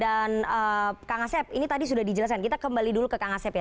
dan kang asep ini tadi sudah dijelaskan kita kembali dulu ke kang asep ya